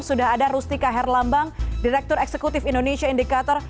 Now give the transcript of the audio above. sudah ada rustika herlambang direktur eksekutif indonesia indikator